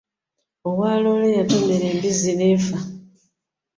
Owa loole yatomera embuzi n'efa.